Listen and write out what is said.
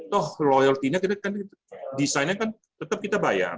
toh loyaltinya desainnya kan tetap kita bayar